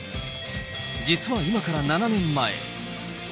実は今から７年前。